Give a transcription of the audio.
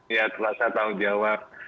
ya terasa tanggung jawab